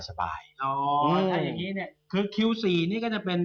ถ้าที่อย่างนี้นี่คือคิว๔นี่ก็จะเป็น